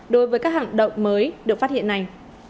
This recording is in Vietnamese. đối với các hạng động mới được phát hiện này